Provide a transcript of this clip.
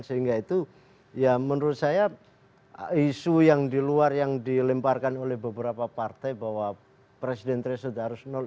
sehingga itu ya menurut saya isu yang di luar yang dilemparkan oleh beberapa partai bahwa presiden threshold harus nol